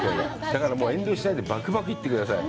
だから遠慮しないで、ばくばくいってください。